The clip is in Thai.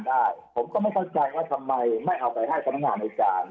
แต่ตอนนี้เมื่อเขายังไม่สั่งฟ้องก็ค่อยเวลาไปเห็นว่าอีกประมาณเดือนหน้า